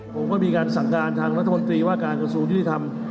ผมก็มีการสั่งการทางรัฐมนตรีว่าการกระทรวงยุติธรรม